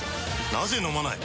なぜ飲まない？